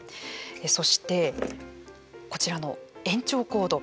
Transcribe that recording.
そして、こちらの延長コード。